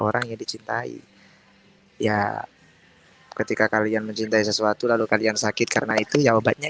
orang yang dicintai ya ketika kalian mencintai sesuatu lalu kalian sakit karena itu ya obatnya